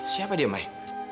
siapa dia mai